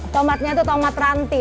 tomatnya itu tomat rantai